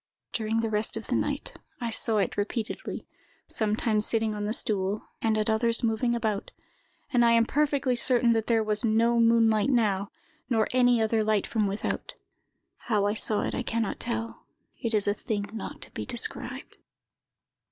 "During the rest of the night, I saw it repeatedly, sometimes sitting on the stool, and at others moving about; and I am perfectly certain that there was no moonlight now, nor any other light from without. How I saw it, I can not tell; it is a thing not to be described.